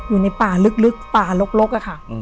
อยู่ในป่าลึกป่าลกอะค่ะ